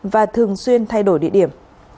và thường xuyên thay đổi địa điểm